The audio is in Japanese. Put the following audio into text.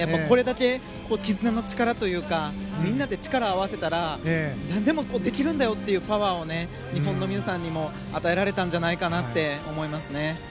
これだけ絆の力というかみんなで力を合わせたらなんでもできるんだよというパワーを日本の皆さんにも与えられたんじゃないかなって思いますね。